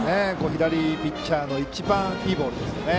左ピッチャーの一番いいボールでしたね。